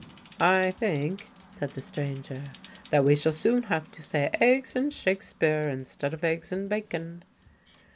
"I think," said the stranger, "that we shall soon have to say eggs and Shakespeare instead of eggs and Bacon."